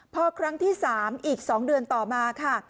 พอครั้งที่๓อีก๒เดือนต่อมาค่ะ